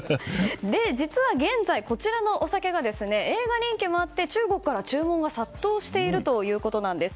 実は現在こちらのお酒が映画人気もあって中国から注文が殺到しているということなんです。